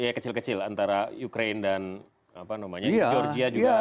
ya kecil kecil antara ukraine dan georgia juga